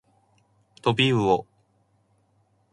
とびうお